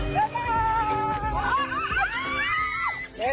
รับทีค่าวันนี้นะคะเรามาเป็นโถยส่องของผม